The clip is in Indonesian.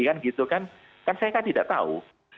kan gitu kan kan saya kan tidak tahu